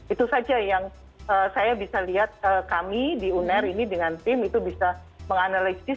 itu saja yang saya bisa lihat kami di uner ini dengan tim itu bisa menganalisis